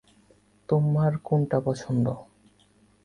তোমার কোনটা পছন্দ?